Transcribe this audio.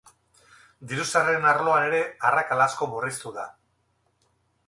Diru-sarreren arloan ere, arrakala asko murriztu da.